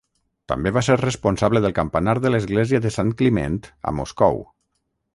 També va ser responsable del campanar de l'Església de Sant Climent a Moscou.